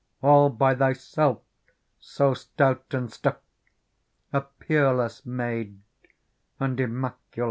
All by thyself so stout and stiff, A peerless maid and immaculate